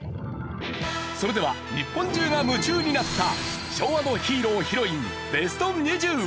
それでは日本中が夢中になった昭和のヒーロー＆ヒロインＢＥＳＴ２０。